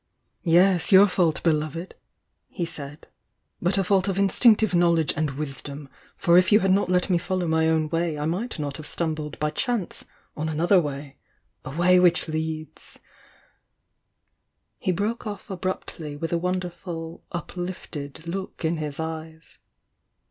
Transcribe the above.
"Yes, your fault, beloved!" he said— "But a fault of instinctive knowledge and wisdom! For if you had not let me follow my own way I might not have stumbled by chance on another way— a way which * He broke off abruptly with a wonderfur'uplifted" look in his eyes.